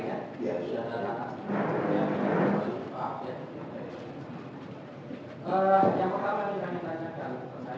yang pertama yang saya tanyakan tentang reklama ini adalah